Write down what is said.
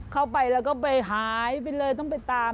เข้าไปแล้วก็ไปหายไปเลยต้องไปตาม